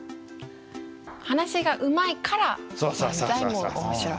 話がうまいから漫才も面白い。